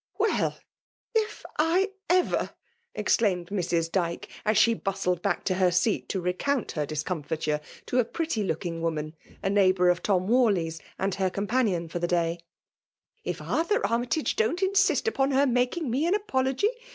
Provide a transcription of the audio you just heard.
<< Well, if I ever !*' exclaimed M». Dyke^ as she bustled back to her seat to recouAt hsr diBoomfitme to a pretty looking woman, a neighbour of Tom Waxley's» and her ebm ^ paaicn ibr the day. ''If Arthur Armytage don't insist upon her making me an apology.